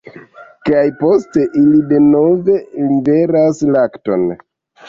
Kaj poste ili denove liveras lakton.